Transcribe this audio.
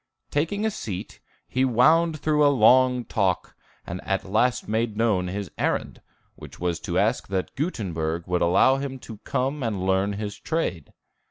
Taking a seat, he wound through a long talk, and at last made known his errand, which was to ask that Gutenberg would allow him to come and learn his trade.